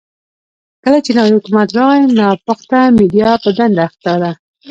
کله چې نوی حکومت راغلی، ناپخته میډيا په دنده اخته ده.